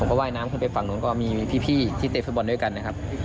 ผมก็ว่ายน้ำขึ้นไปฝั่งน้องก็มีพี่ที่เต็มฟุตบอลด้วยกันนะครับ